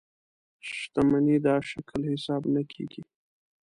شتمنۍ دا شکل حساب نه کېږي.